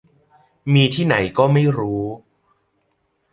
มีที่ไหนก็ไม่รู้